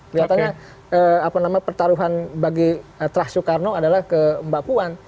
kelihatannya pertaruhan bagi trah soekarno adalah ke mbak puan